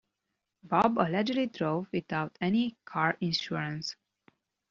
Bob allegedly drove without any car insurance.